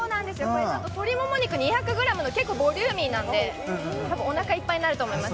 鶏もも肉２００ｇの結構ボリューミーなので、多分おなかいっぱいになると思います。